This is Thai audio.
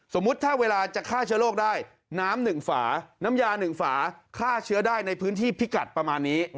สมมุติถ้าเวลาจะฆ่าเชื้อโรคได้น้ำ๑ฝาน้ำยา๑ฝาฆ่าเชื้อได้ในพื้นที่พิกัดประมาณนี้